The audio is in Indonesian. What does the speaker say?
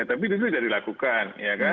tapi itu sudah dilakukan